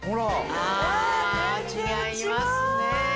あ違いますね。